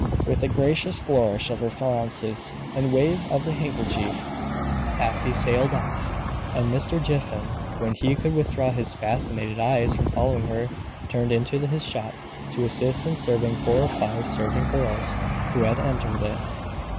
With a gracious flourish of her flounces and wave of the handkerchief Afy sailed off. And Mr. Jiffin, when he could withdraw his fascinated eyes from following her, turned into his shop to assist in serving four or five servant girls, who had entered it.